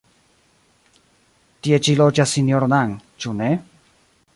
Tie ĉi loĝas Sinjoro Nang, ĉu ne?